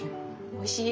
おいしい？